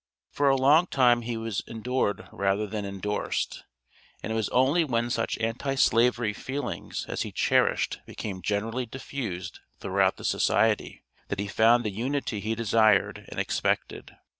For a long time he was endured rather than endorsed, and it was only when such anti slavery feelings as he cherished became generally diffused throughout the Society, that he found the unity he desired and expected.